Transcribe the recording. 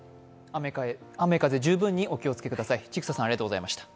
雨風、十分にお気をつけください。